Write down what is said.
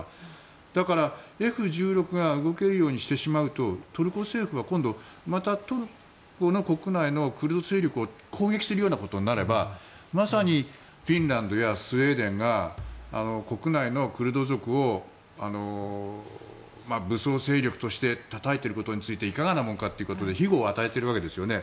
だからＦ１６が動けるようにしてしまうとトルコ政府は今度またトルコの国内のクルド勢力を攻撃するようなことになればまさにフィンランドやスウェーデンが国内のクルド族を武装勢力としてたたいていることについていかがなものかということで庇護を与えているわけですよね。